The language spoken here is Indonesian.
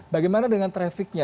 bagaimana dengan trafficnya